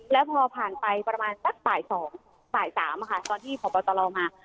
แล้วพอผ่านไปประมาณสักป่ายสองสายสามตอนที่พอเบาตลอมมา